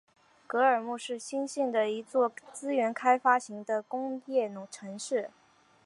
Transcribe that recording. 格尔木是新兴的一座资源开发型的工业城市。